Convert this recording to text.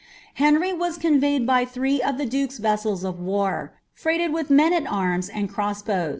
* Henry was conveyed by ihrM of the duke's vessels of war. freighted with meo ai anns and croaa bom.